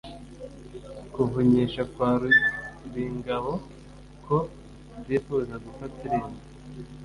kuvunyisha kwa ruringabo ko bifuza gufata irembo